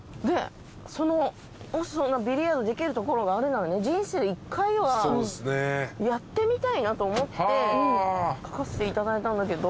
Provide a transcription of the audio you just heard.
ビリヤードできる所があるなら人生で一回はやってみたいなと思って書かせていただいたんだけど。